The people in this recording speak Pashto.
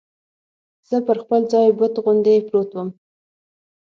زه پر خپل ځای بت غوندې پروت ووم.